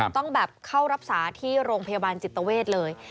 ต้องแบบเข้ารักษาที่โรงพยาบาลจิตเวทเลย